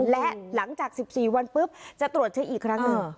และหลังจาก๑๔วันปุ๊บจะตรวจเช็คอีกครั้งหนึ่ง